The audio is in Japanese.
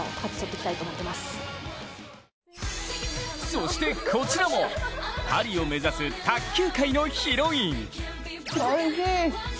そしてこちらもパリを目指す卓球界のヒロイン。